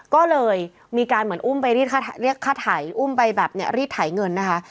ก็เลยมีการเหมือนอุ้มไปรีดเรียกค่าไถอุ้มไปแบบเนี่ยรีดไถเงินนะคะ